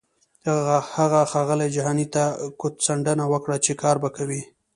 هغه ښاغلي جهاني ته کوتڅنډنه وکړه چې کار به کوي.